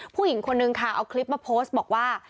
ผู้หญิงคนนึงค่ะเอาคลิปมาโพสต์บอกว่า